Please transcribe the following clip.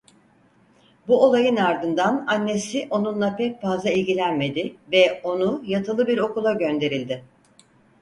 Bu olayın ardından annesi onunla pek fazla ilgilenmedi ve onu yatılı bir okula gönderildi.